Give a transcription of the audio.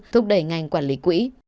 thúc đẩy ngành quản lý quỹ